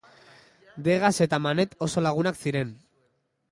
Degas eta Manet oso lagunak ziren.